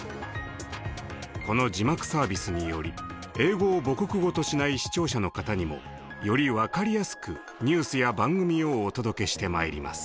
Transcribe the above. この字幕サービスにより英語を母国語としない視聴者の方にもより分かりやすくニュースや番組をお届けしてまいります。